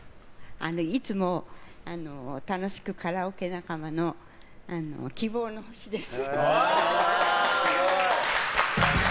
いつも楽しくカラオケ仲間の希望の星です。